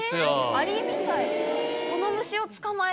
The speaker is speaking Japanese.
アリみたい。